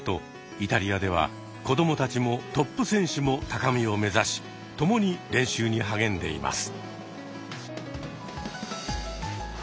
イタリアでは子どもたちもトップ選手も高みをめざし共に練習に励んでいます。